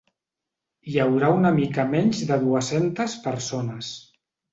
Hi haurà una mica menys de dues-centes persones.